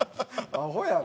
アホやな。